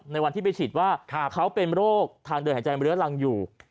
ในวันที่ไปฉีดว่าเขาเป็นโรคทางเดินหายใจรังบริเวณลังอยู่